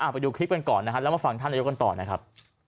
ไปดูคลิปกันก่อนนะฮะแล้วมาฟังท่านนายกกันต่อนะครับ